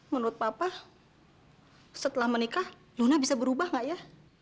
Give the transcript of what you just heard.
menurut papa setelah menikah luna bisa berubah gak ya